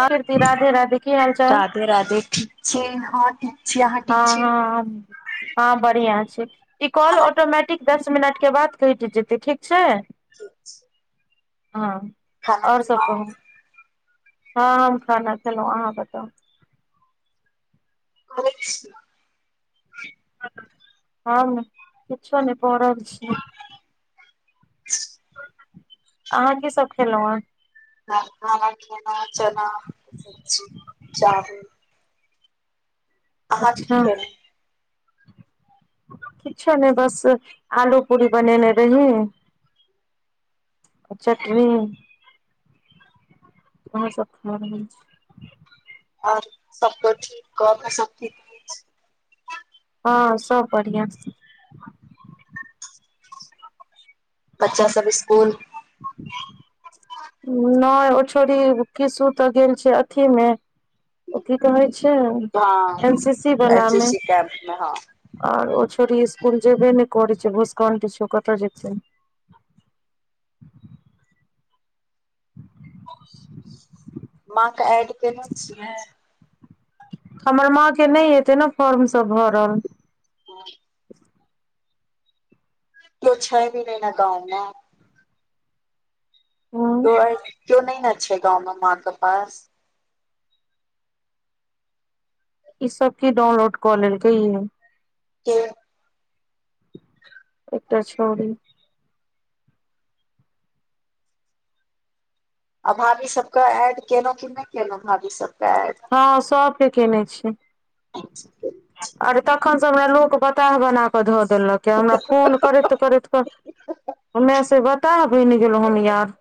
ह [unintelligible] राधे रधे की हाल चाल राधे राधे ठीक छिये हँ ठीक छी अहाँ ठीक हँ छी हँ हँ बढ़िआँ छै ई कॉल खाना ठीक ऑटोमेटिक दस मिनटके बाद कैट जेतै ठीक छै [unintelligible] हँ खाना आओर सब पीना कहू हँ हम खाना खेलहुँ आहाँ बताउ [unintelligible] हम किछो नहि परल छियै अहाँ की सब खेलहुॅं हे हम खाना खेलौ चना के सब्जी चावल अहाँ अच्छा की करी किछो नहि बस आलू पूरी बनेने रहीये चटनी आहाँ सब खा र [unintelligible] रह छै और सब क ठीक कऽक सब ठि हँ सब बढ़िआँ बच्चा सभ स्कूल नै ओ छौड़ी किसू त गेल छै अथी मे ओ की कहै छै हँ एन सी सी एन बलामें सी कैम्प मे हँ आर ओ छौड़ी ई इसकुल जेबे नै करै छै भुस्कंट छै ओ कत जेतै मां क एड केने छियै हमर माँ के नहि हेतै ने फॉर्म सब भरल ह [unintelligible] कियो छै नैऽ ने न गाँव में हूं तो [unintelligible] क्यो नहि ने छै गाँंव में माँ के पास ई सब की डाउनलोड कऽ लेलकौ यौ क [unintelligible] एकटा छौड़ी आ भाभी सबके एड केलहु की नहि केलहु भाभी सबके एड हँ सबके केने छी अच्छा अरे तखन स वेह लोक बताह बना बटूवा देलक ये हमरा फोन करैत करैत क ओइमे से बताह बैन गेलहुँ हे याद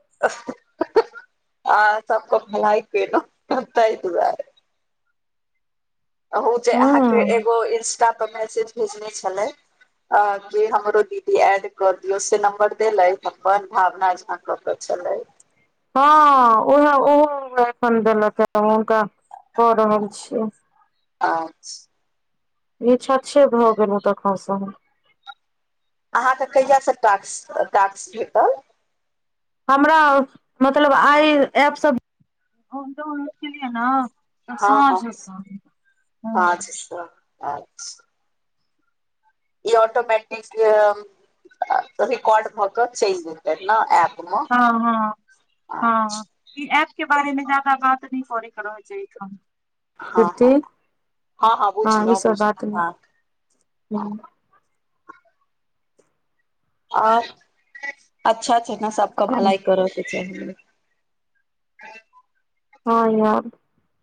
ए तब तो भलाई के लौ तय दुआरे [unintelligible] अहू जे हँ अहाँके एगो इंस्टा पर मैसेज भेजने छलै अ के हमरो दीदी एड कऽ दियौ से नम्बर देलै अपन भावना झा ओत् छलइ हँ उह ओहो हम एखन देलकहु हुनका कऽ रहल छीयै आछ ई छछ भए गेल ओ तखन स [unintelligible] आहाँ के कहिया से टाक्स टास्क भेटल हमरा मतलब आइ एपसब डाउनलोड केलियै ने त साॅंझ सॅं सा आच्छ ई ऑटोमैटिक्स रिकॉर्ड भ क चैल जेतै ने एप हँ हँ हँ ई ऐप के बारे मे जादा बात नै करै के रहय छै ऐठाम हँ फिरती हँ हँ ई बुझलहुँ सब बात बुझलहुँ हँ नै और अच्छा छै न सबक भलाइ करऽ के छै हँ यार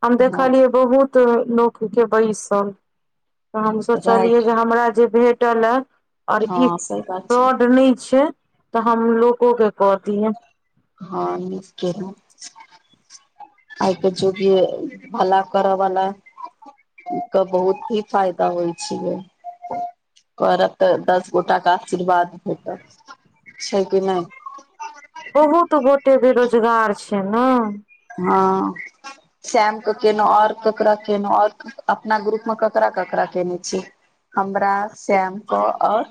हम हँ देखलियै बहुत लोक के बैसल तऽ हम सोचलियै राइट जे हमरा जे भेटले और ई हँ सही बात छै फ्रॉड नै छै तऽ हम लोको के क दियै हँ निक खेलऊं आइ त जो भी भला करऽ बला आ त बहुत ही फायदा होइ छियै करत तऽ दस गोटा क आशीर्वाद भेटत छै कि नै बहुत गोटे बेरोजगार छै ने हँ श्येम के केेलौं और ककरा केेलऊ और अपना ग्रुप मे ककरा ककरा केने छि हमरा श्याम क और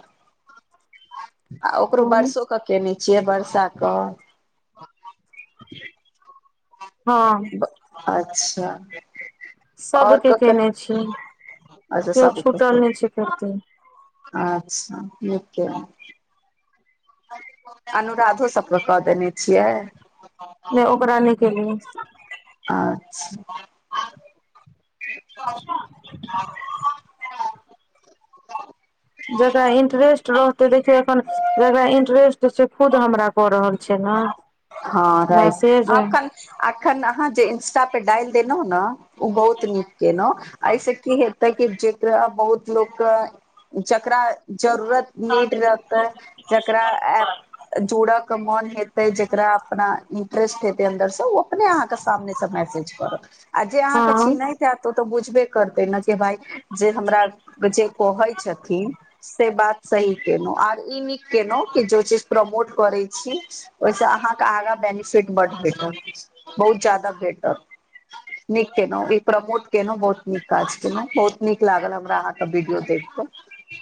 आ ओकरो बरसो क कैने छियै बर्षा क हँ अच्छा आओर सबके ककर केने छीये अच्छा केओ सबके छूटल नहि छै कहतै अच्छा नीक केलौ अनुराधो सबके कऽ देने छियै नहि ओकर ने केलियै अच्छा [unintelligible] जकरा इंटरेस्टट रहतै देखियौ अखन जकरा इंटरेस्ट छे से खुद हमरा कऽ रहल छै ने हँ राइट मैसेज आ हँ अखन अहाँ जे इंस्टा पे डाल देलहुँ ने ओ बहुत नीक केलहुँ ऐसे की हेतै कि जेकरा बहुत लोक के जेकरा जरूरत नीट रहते जेकरा अफ जोड़ के मन हेतै जे जेकरा अपना इंटरेस्ट हेतै अन्दर से ओ अपने आहाँके सामने से मैसेज करत आ जे अहाँके चिन्हैत तो तऽ बुझबे करते ने कि भाय जे हमरा जे कहै छथिन से बात सही केलहुँ आर ई नीक केलहुँ कि जो चीज प्रमोट करैत छी ओहिसँ अहाँके आगाँ बेनेफिट बड्ड भेटत बहुत ज्यादा भेटत [unintelligible] नीक केलहु ई प्रमोट केलहुँ बहुत नीक काज केलहुं बहुत नीक लागल हमरा अहाँके वीडियो देख के [inaudible]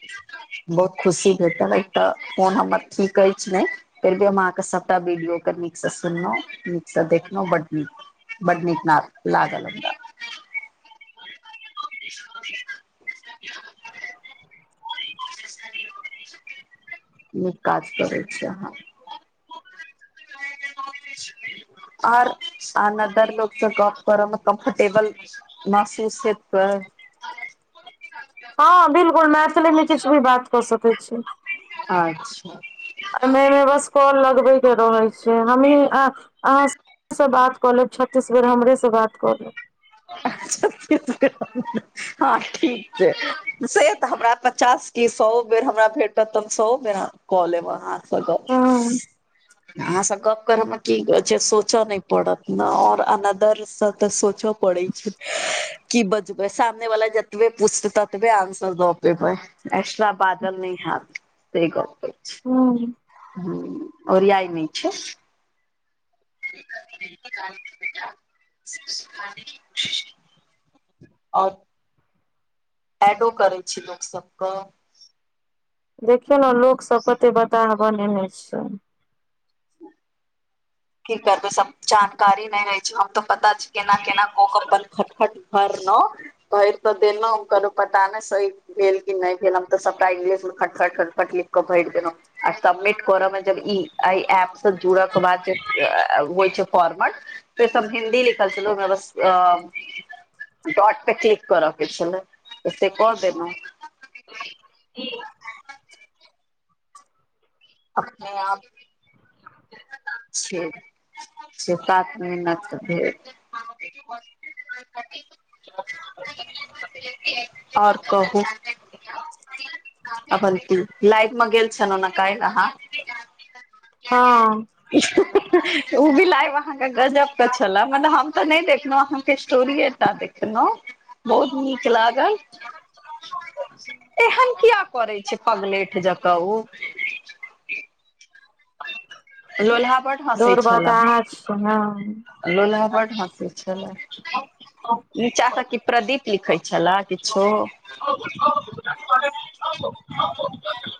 बहुत खुशी भेटल अ तऽ फोन हमर ठीक ऐछ नहि फेर भी हम आहाँ के सबटा वीडियो के नीक से सुनलहुं नीक से देखलहुं बड़ नीक बड नीक नथ लागल हमरा फोन [unintelligible] नीक काज करै छै हहाँ [unintelligible] और हमरा बड़ लोक से गप्प करऽ में कम्फ़र्टेबल बाला गप्प [unintelligible] [unintelligible] हाॅ बिल्कुल मैथली में किछु भी बात कऽ सकैत छी अच्छा एहिमे बस कल लगबैके रहै छियै हमही अहाँ हमे से बात कऽ लेब छत्तीस बार हमरे से बात कऽ ले [unintelligible] हँ ठीक छै से तऽ हमरा पचास ई सए बेर हमरा भेंट रहत तऽ हम सए बेर कऽ लेब अहाँ कऽ हँ लेब आहासे गप्प ओ की छै सोचऽ न पड़त ने और अनदर से त सोच पोरै छै की बजबै सामने वाला जतबे पुछतै ततबे आन्सर दऽ पेबै एक्ट्रा बाजल नहि हेत से गप्प कहे छी हूं हा ओरियाई नहि छै [unintelligible] और ऐडो करै छी लोक सब कऽ देखियौ ने लोक सब कते बताह बनेने छै की करबै सब जानकारी नहि रहै छै हम तऽ पता छै केना केना कऽ क्पल फटफट भरना घैर तऽ देेल ओकर तऽ पता नहि सहि भेल की नहि भेल हम तऽ सबटा इंग्लिश खटखट खटकट लिख कऽ भैर देलहुँ आ समिट करऽ मे जब ई एहि ऐप सँ जुड़य के बाद जे [unintelligible] से सब हिन्दी लिखल छल डाउट पे किलिक करअ के छले तऽ से क देलैउ [unintelligible] अपने आप [unintelligible] [unintelligible] [unintelligible] और कहुँ [unintelligible] अपन ती लाइव मे गेल छेलहु न कल्हि आहाँ हम उ भी लाइब अहाँ के गजब के छलह मने हम ते नहि देखलहुँ अहाँ के स्टोरीये टा देखलहुँ बहुत नीक लागल ऐहन किया करै छै पगलेठ जका उ लोलहा बड दौड़ब तऽ अहाँ न लोलहा बड हसे छलै नीचा से कि प्रदीप लिखै छले किछो [inaudible]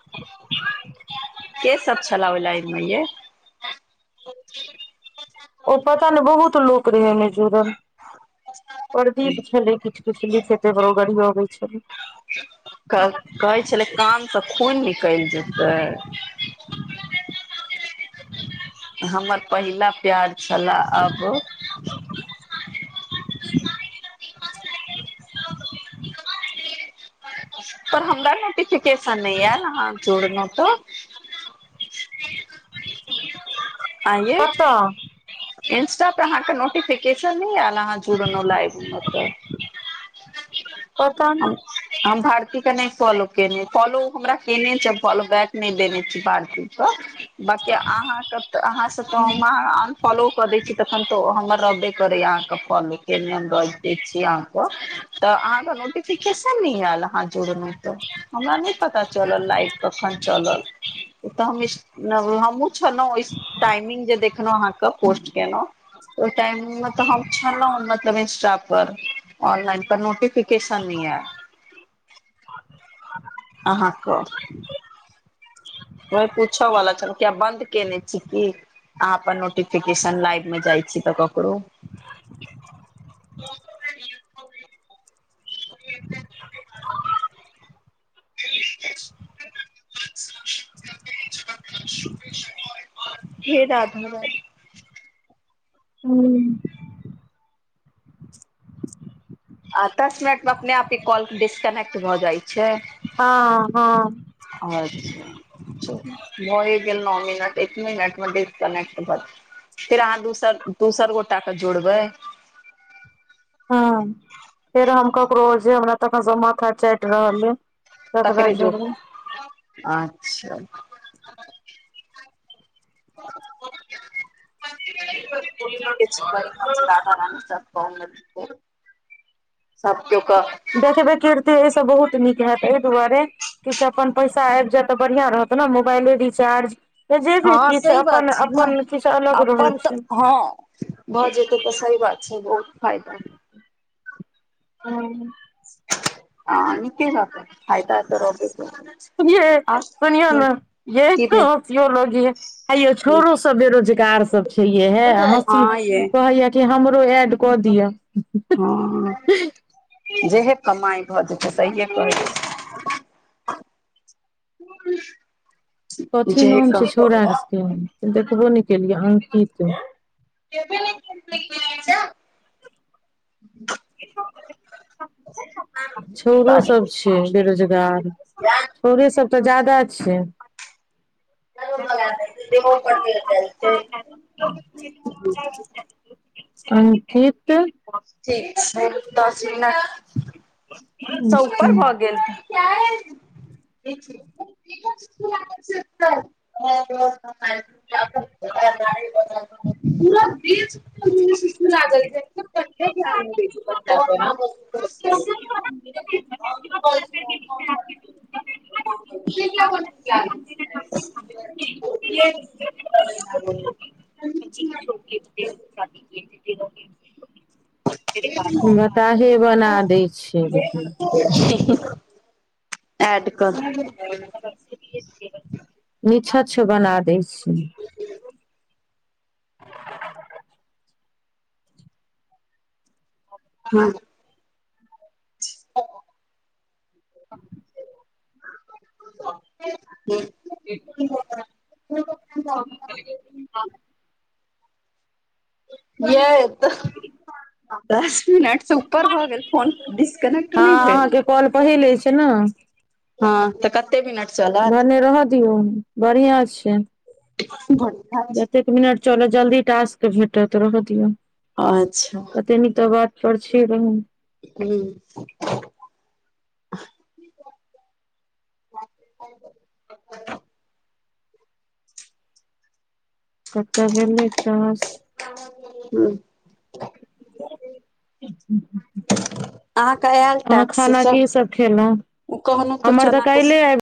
के सब छला ओ लइन मे ये ओ पता नै बहुत लोक रहे ओमे जूरल प्रदीप छलै किछ कछु लिखे तहि पर ओ गढ़ियोबै छलै क कहै छले कान स खून निकैल जेतै हमर पहिला प्यार छलाह अब [inaudible] [inaudible] पर हमरा नोटिफिकेशन नहि आयल अहाँ जोड़लो तऽ आंये केतअ इंस्टा पर अहाँ के नोटिफिकेशन नहि आयल अहाँ जुड़लहुँ लाइव मे तऽ [inaudible] नहि [unintelligible] हम भारती के नहि फॉलो केयने फॉलो हमरा उ केयने छै फॉलो बैक नहि देने छी भारतीे क बकी अहाँ क तऽ अहाँ से त अहाँ अनफॉलो क दे तखन तऽ हमर रहबे करैया अहाँके फल के हम र दे छी अहाँके तऽ अहाँ के नोटिफिकेशन नइ आयल अहाँ जोड़लो तऽ हमरा नहि पता चलल लाइक कखन चलल ओ तऽ हम हम हुँ छलहुँ ओहि टाइमिंग जे देखलहुँ अहाँ कऽ ओहि टाइम मे तऽ हम छलहुँ मतलब इंस्टा पर ऑनलाइन पर नोटिफिकेशन नै एल आहाँ क [inaudible] व पूछऽ वाला छलो किया बंद केने छी की अहाँ अपन नोटिफिकेशन लाइव मे जाय छी तऽ ककड़ो [inaudible] [inaudible] [inaudible] [inaudible] फेरा भगवान हू [inaudible] आ दस मिनट मे अपने आपके कॉल डिस्कनेक्ट भऽ जाइ छै हाँ हाँ अच्छा भए गेल नौ मिनट एक मिनट मे डिस्कनेक्ट भऽ फेर अहाँ दोसर दोसर गोट के जोड़बै ह फेर हम ककरो हमरा त माथा चटि रहल य तकरे जो अच्छा कि बड़ि छै रध रण कह [unintelligible] ओ सब के कऽ [unintelligible] देखबे करते ए से बहुत नीक हेत एहि दुआरे किछु अपन पैसा आबि जायत तऽ बढ़िआँ रहत ने मोबाइले रिचार्ज तऽ जे भी हँ किछु सही अपन अपन किछु अलग रहैत छै ह भऽ जेतै तऽ सही बात छै बहुत फायदा ओह हाँ निके रहते फायदा ते रहबे करते सु ये सुनिय ने ये की भेल कहो लगी है [unintelligible] हे यो छोरो सब बेरोजगार सब छै हे हँसी हँ ये कहैया के हमरो ऐड कऽ दिअ हँ जेहे कमाइ भऽ जेतै सहिए कह दे ह [unintelligible] कथी नाम छै छौड़ाके देखबो नहि केलियै अंकित [unintelligible] छोरो सब छै बेरोजगार क [unintelligible] तोरे सबसे तऽ जादा छियै [unintelligible] अन फीट ठीक दस मिन [unintelligible] सब ऊपर भऽ गेले [inaudible] [unintelligible] ह [inaudible] पूरा बीज [unintelligible] सुसू लागल छै क धान द [unintelligible] [unintelligible] क [unintelligible] ह [unintelligible] तब लओ [unintelligible] ह [inaudible] छोट शादी क [unintelligible] बताहे बताहे बना दै छियै ड कर [unintelligible] निछछ बना दै छै हँ [unintelligible] हू [unintelligible] एक ह य तऽ दस मिनट से ऊपर भऽ गेल काॅल डस्कनेट हँ नहि भेल अहाँके कॉल पहिले छै ने हँ तऽ दू मिनट चलते भने रहऽ दियौ बढ़आँ छै घट [unintelligible] जतेक मिनट चलऽ जल्दी टास के भेटतत रहऽ दियऔ अच्छा तनी त बात पर छै हूँ कतऽ गेलै त हू [unintelligible] आयल अहाँ टैक्स खाना की सब खेलहु कहलहुँ हमर तऽ चना के काल्हि आब